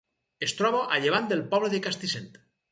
Es troba a llevant del poble de Castissent.